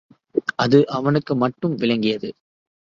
அது அவனுக்கு மட்டும் விளங்கியது.